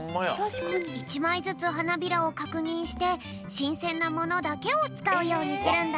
１まいずつはなびらをかくにんしてしんせんなものだけをつかうようにするんだって。